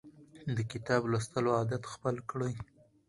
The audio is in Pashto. د کتاب لوستلو عادت خپل کړئ.